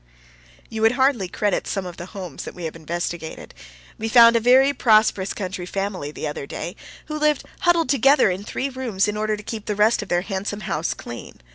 You would hardly credit some of the homes that we have investigated. We found a very prosperous country family the other day, who lived huddled together in three rooms in order to keep the rest of their handsome house clean.